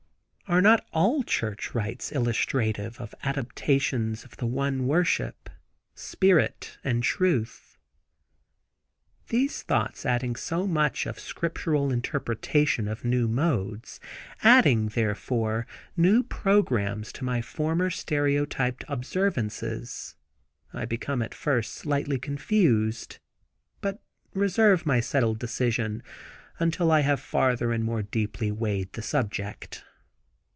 Are not all church rites illustrative of adaptations of the one worship—Spirit and Truth? These thoughts adding so much of scriptural interpretation of new modes, adding, therefore, new program to my former stereotyped observances, I become at first slightly confused, but reserve my settled decision, until I have farther and more deeply weighed the subject.